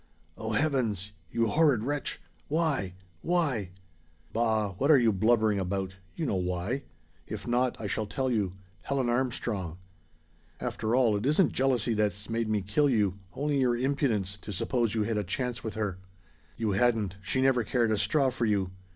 "O Heavens! You horrid wretch! Why why " "Bah! what are you blubbering about? You know why. If not, I shall tell you Helen Armstrong, After all, it isn't jealousy that's made me kill you; only your impudence, to suppose you had a chance with her. You hadn't; she never cared a straw for you.